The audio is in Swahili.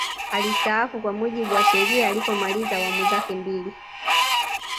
alistaafu kwa mujibu wa sheria alipomaliza wamu zake mbili